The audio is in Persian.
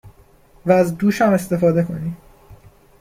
!و از دوشم استفاده کنی